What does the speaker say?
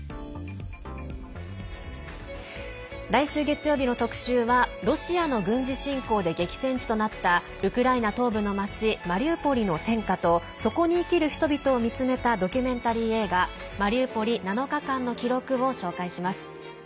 来週月曜日の特集はロシアの軍事侵攻で激戦地となったウクライナ東部の町マリウポリの戦禍とそこに生きる人々を見つめたドキュメンタリー映画「マリウポリ７日間の記録」を紹介します。